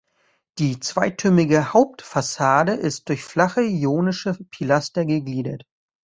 Die zweitürmige Hauptfassade ist durch flache ionische Pilaster gegliedert.